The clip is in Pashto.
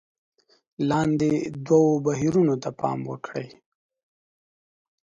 لاندې دوو بهیرونو ته پام وکړئ: